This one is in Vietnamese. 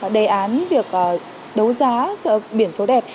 đề án việc đấu giá biển số đẹp